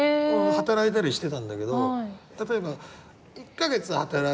働いたりしてたんだけど。